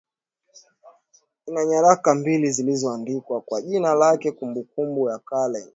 ina nyaraka mbili zilizoandikwa kwa jina lake Kumbukumbu ya kale